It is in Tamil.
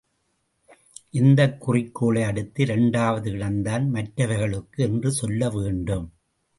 இந்தக் குறிக்கோளை அடுத்து இரண்டாவது இடந்தான் மற்றவைகளுக்கு என்று சொல்ல வேண்டும்.